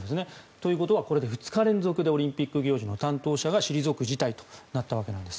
ということはこれで２日連続でオリンピック行事の担当者が退く事態となったわけです。